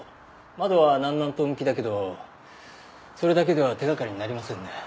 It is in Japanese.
窓は南南東向きだけどそれだけでは手掛かりになりませんね。